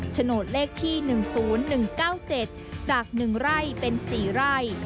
โฉนดเลขที่๑๐๑๙๗จาก๑ไร่เป็น๔ไร่